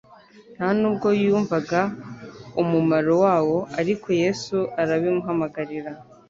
nta n'ubwo yumvaga umumaro wawo, ariko Yesu arabimuhamagarira;